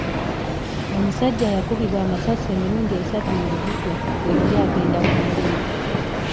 Omusajja yakubibwa amasasi emirundi esatu mu lubuto bwe yali agenda ku mulimu.